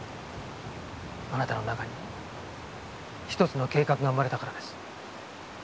あなたの中に１つの計画が生まれたからです。